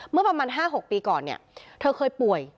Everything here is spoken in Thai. เมื่อประมาณ๕๖ปีก่อนเนี่ยเธอเคยป่วย